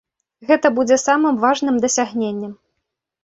Гэта будзе самым важным дасягненнем.